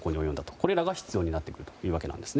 これらが必要になってくるということなんですね。